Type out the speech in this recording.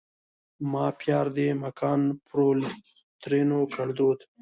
ما پیار دې مکان پرول؛ ترينو کړدود